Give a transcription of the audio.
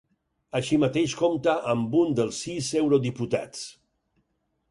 Així mateix compta amb un dels sis eurodiputats.